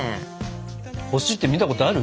星って見たことある？